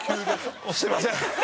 すみません！